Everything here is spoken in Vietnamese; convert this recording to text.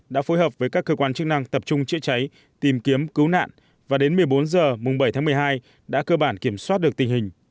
đã phối hợp với các cơ quan chức năng tập trung chữa cháy tìm kiếm cứu nạn và đến một mươi bốn h bảy tháng một mươi hai đã cơ bản kiểm soát được tình hình